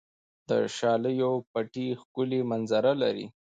د شالیو پټي ښکلې منظره لري.